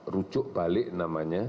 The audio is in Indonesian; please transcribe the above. rujuk balik namanya